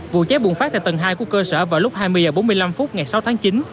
vụ cháy bùng phát tại tầng hai của cơ sở vào lúc hai mươi h bốn mươi năm phút ngày sáu tháng chín